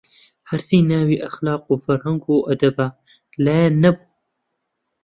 هەرچی ناوی ئەخلاق و فەرهەنگ و ئەدەبە لایان نەبوو